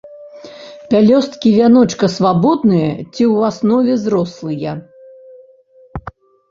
Пялёсткі вяночка свабодныя ці ў аснове зрослыя.